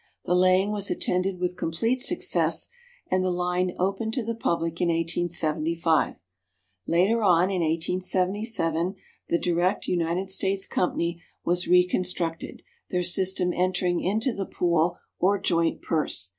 The laying was attended with complete success, and the line opened to the public in 1875. Later on, in 1877, the "Direct United States" Company was reconstructed, their system entering into the "pool" or "joint purse."